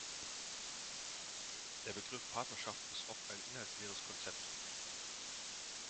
Der Begriff Partnerschaft ist oft ein inhaltsleeres Konzept.